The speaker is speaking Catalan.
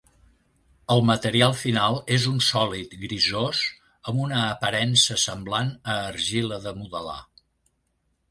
El material final és un sòlid grisós amb una aparença semblant a argila de modelar.